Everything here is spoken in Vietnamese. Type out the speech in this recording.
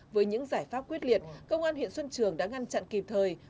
với những giải pháp quyết liệt công an huyện xuân trường đã ngăn chặn kịp thời